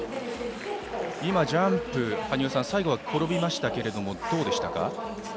今、ジャンプは転びましたけどもどうでしたか？